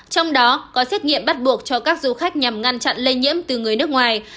trong đó có xét nghiệm bắt buộc cho các du khách nhằm ngăn chặn lây nhiễm từ người nước ngoài